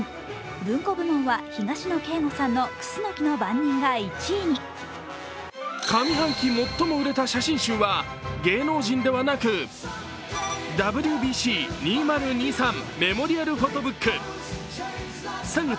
文庫部門は東野圭吾さんの「クスノキの番人」が１位上半期最も売れた写真集は芸能人ではなく「ＷＢＣ２０２３メモリアルフォトブック」３月、